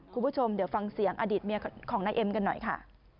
คุณผู้ชมเดี๋ยวฟังเสียงอดีตเมียของนายเอ็มกันหน่อยค่ะ